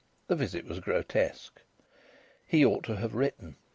The visit was grotesque. He ought to have written.